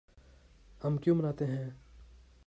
ہم کیوں مناتے ہیں